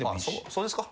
そうですか。